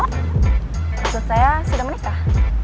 maksud saya sudah menikah